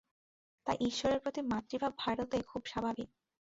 তাই ঈশ্বরের প্রতি মাতৃভাব ভারতে খুব স্বাভাবিক।